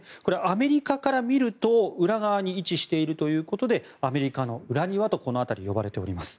アメリカから見ると裏側に位置しているということでアメリカの裏庭とこの辺りでいわれています。